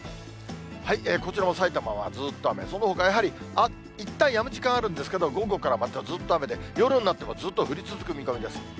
こちらもさいたまはずっと雨、そのほかやはり、いったんやむ時間があるんですけれども、午後からまたずっと雨で、夜になってもずっと降り続く見込みです。